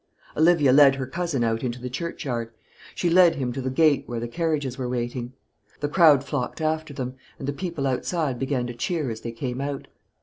Olivia led her cousin out into the churchyard; she led him to the gate where the carriages were waiting. The crowd flocked after them; and the people outside began to cheer as they came out.